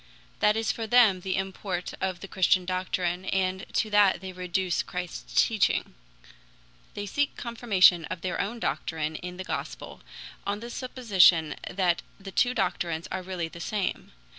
That is for them the import of the Christian doctrine, and to that they reduce Christ's teaching. They seek confirmation of their own doctrine in the Gospel, on the supposition that the two doctrines are really the same.